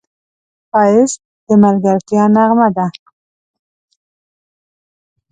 ښایست د ملګرتیا نغمه ده